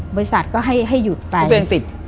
บริษัทก็ให้หยุดไปก็เปลืองติด